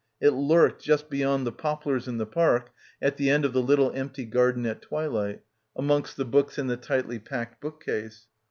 It lurked just beyond the poplars in the park, at the end of the little empty garden at twilight, amongst the books in the tightly packed bookcase.